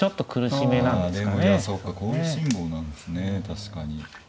確かに。